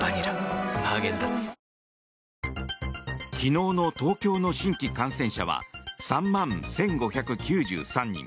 昨日の東京の新規感染者は３万１５９３人。